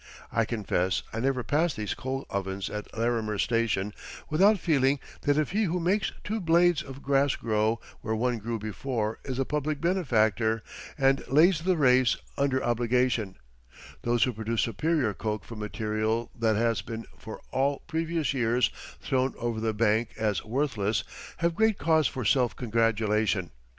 I confess I never pass these coal ovens at Larimer's Station without feeling that if he who makes two blades of grass grow where one grew before is a public benefactor and lays the race under obligation, those who produce superior coke from material that has been for all previous years thrown over the bank as worthless, have great cause for self congratulation.